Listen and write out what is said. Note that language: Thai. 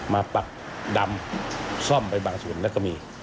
ปักดำซ่อมไปบางส่วนแล้วก็มี